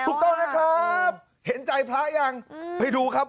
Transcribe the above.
ถูกต้องนะครับเห็นใจพระยังไปดูครับ